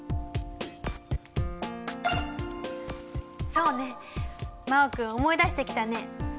そうね真旺君思い出してきたね。